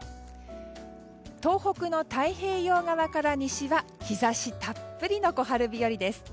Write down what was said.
東北の太平洋側から西は日差したっぷりの小春日和です。